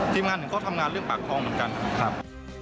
ทีมงานหนึ่งเขาทำงานเรื่องปากท้องเหมือนกันครับ